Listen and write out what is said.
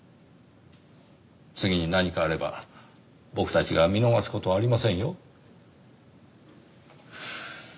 次に何かあれば僕たちが見逃す事はありませんよ。